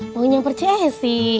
mau nyamper ce si